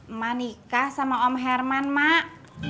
emak nikah sama om herman mak